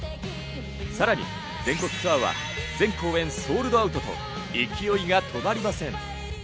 さらに全国ツアーは全公演ソールドアウトと勢いがとまりません。